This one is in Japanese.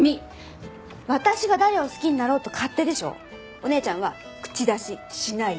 お姉ちゃんは口出ししないで。